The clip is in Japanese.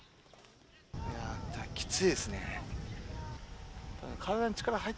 きついですね。